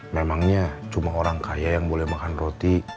memangnya cuma orang kaya yang boleh makan roti